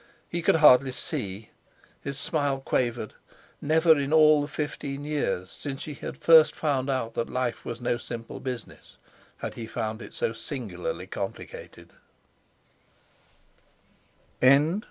He could hardly see; his smile quavered. Never in all the fifteen years since he had first found out that life was no simple business, had he found it so singularly complicated.